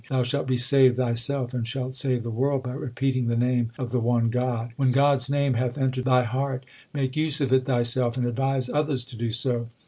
Thou shalt be saved thyself, and shalt save the world By repeating the name of the one God. When God s name hath entered thy heart, Make use of it thyself and advise others to do so.